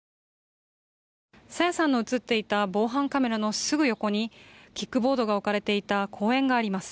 朝芽さんの映っていた防犯カメラのすぐ横にキックボードが置かれていた公園があります。